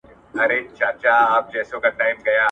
محمود کتاب واخیستی او کور ته ولاړی.